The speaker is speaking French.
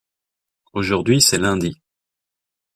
Aujourd’hui c’est lundi.